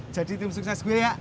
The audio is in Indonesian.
jadi tim sukses gue ya